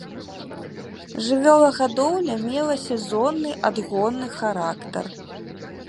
Жывёлагадоўля мела сезонны адгонны характар.